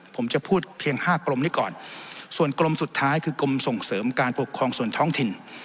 ผมจะพูดเพียงห้ากลมนี้ก่อนส่วนกลมสุดท้ายคือกรมส่งเสริมการปกครองส่วนท้องถิ่น